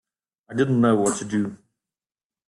I didn't know what to do.